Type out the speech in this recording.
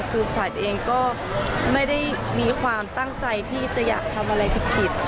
คือขวัญเองก็ไม่ได้มีความตั้งใจที่จะอยากทำอะไรผิด